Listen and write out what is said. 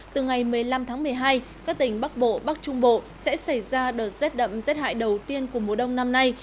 từ ngày một mươi năm tháng một mươi hai các tỉnh bắc bộ bắc trung bộ sẽ xảy ra đợt rét đậm rét hại đầu tiên của mùa đông năm nay